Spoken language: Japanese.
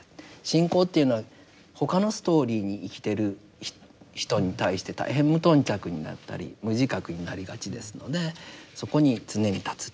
信仰というのは他のストーリーに生きてる人に対して大変無頓着になったり無自覚になりがちですのでそこに常に立つ。